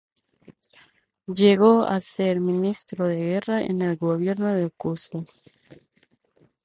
Llegó a ser ministro de guerra en el gobierno de Cuza.